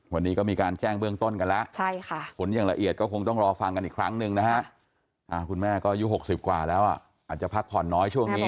วันนี้ก็มีการแจ้งเบื้องต้นกันแล้วผลอย่างละเอียดก็คงต้องรอฟังกันอีกครั้งหนึ่งนะฮะคุณแม่ก็อายุ๖๐กว่าแล้วอาจจะพักผ่อนน้อยช่วงนี้